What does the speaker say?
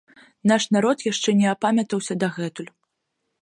Наш народ яшчэ не апамятаўся дагэтуль.